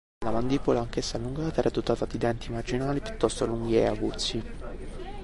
La mandibola, anch’essa allungata, era dotata di denti marginali piuttosto lunghi e aguzzi.